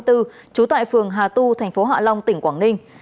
trú tại phường hà tu thành phố hạ long tỉnh quảng ninh